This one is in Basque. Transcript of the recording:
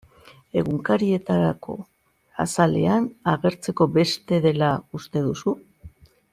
Egunkarietako azalean agertzeko beste dela uste duzu?